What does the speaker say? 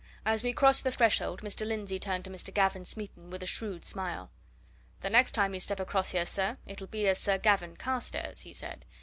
As we crossed the threshold, Mr. Lindsey turned to Mr. Gavin Smeaton with a shrewd smile. "The next time you step across here, sir, it'll be as Sir Gavin Carstairs!" he said.